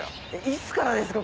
いつからですか？